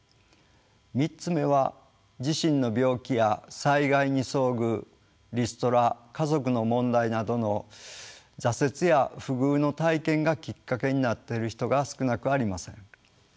３つ目は自身の病気や災害に遭遇リストラ家族の問題などの挫折や不遇の体験がきっかけになっている人が少なくありません。